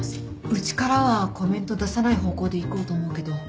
うちからはコメント出さない方向でいこうと思うけど。